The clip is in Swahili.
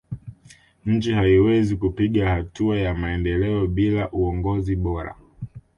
nchi haiwezi kupiga hatua ya maendeleo bila uongozi bora